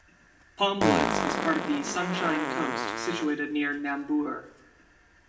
Palmwoods is part of the Sunshine Coast situated near Nambour.